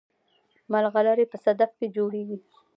ملغلرې په صدف کې جوړیږي